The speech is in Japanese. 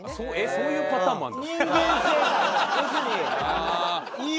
そういうパターンもあるんだ。